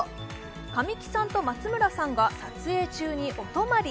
神木さんと松村さんは撮影中にお泊まり。